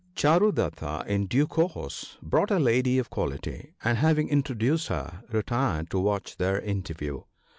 Charudatta in due course brought a lady of quality, and, having introduced her, retired to watch the inter view.